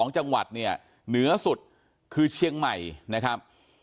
๒จังหวัดเนี่ยเหนือสุดคือเชียงใหม่นะครับ